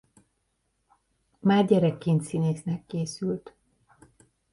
Már gyerekként színésznek készült.